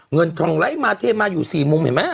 เงินทองไลค์มาสเทมาอยู่สี่มุมเห็นมั้ยฮะ